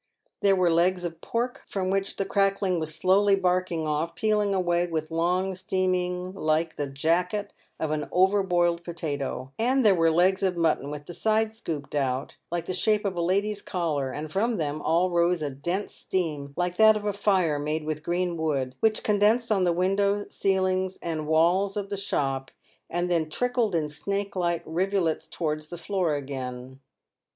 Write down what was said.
There were legs of pork, from which the crackling was slowly barking off, peeling away with long steam ing like the jacket of an over boiled potato ; and there were legs of mutton with the sides scooped out like the shape of a lady's collar, and from them all rose a dense steam like that of a fire made with green wood, which condensed on the windows, ceiling, and walls of the shop, and then trickled in snake like rivulets towards the floor again.